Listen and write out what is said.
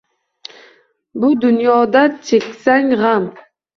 Bu dunyoda cheksang g’am».